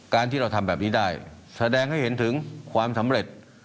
ที่เราทำแบบนี้ได้แสดงให้เห็นถึงความสำเร็จ